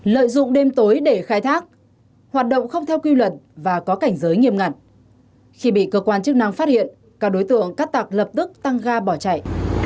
lợi dụng đêm tối để khai thác hoạt động không theo quy luật và có cảnh giới nghiêm ngặt khi bị cơ quan chức năng phát hiện các đối tượng cắt tặc lập tức tăng ga bỏ chạy